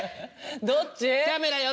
どっち？